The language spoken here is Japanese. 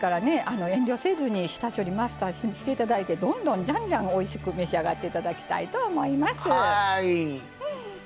遠慮せずに下処理マスターしていただいてどんどんじゃんじゃんおいしく召し上がっていただきたいと思います。